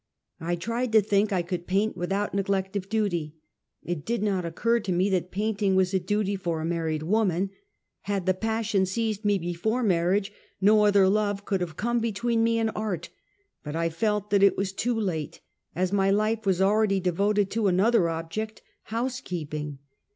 I tried to think I could paint without neg lect of duty. It did not occur to me that painting was a duty for a married woman ! Had the passion seized me before marriage, no other love could have come between me and art; but I felt that it was too late, as my life was already devoted to another object — housekeeping.